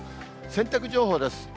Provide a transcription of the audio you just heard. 洗濯情報です。